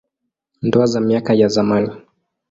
Ndoa za miaka ya zamani.